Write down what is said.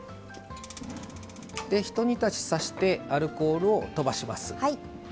一煮立ちさせてアルコールをとばします。